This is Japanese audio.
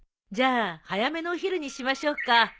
じゃあ早めのお昼にしましょうか。